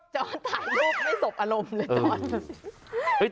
จอร์ดถ่ายรูปไม่สบอารมณ์เลยจอร์ด